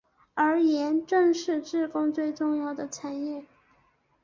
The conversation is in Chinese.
而盐正是自贡最重要的产业。